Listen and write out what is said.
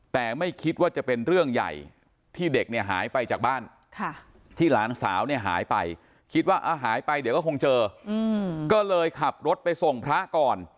แต่ไม่คิดว่าจะเป็นเรื่องใหญ่ที่เด็กเนี่ยหายไปจากบ้านที่หลานสาวเนี่ยหายไปคิดว่าหายไปเดี๋ยวก็คงเจอก็เลยขับรถไปส่งพระก่อน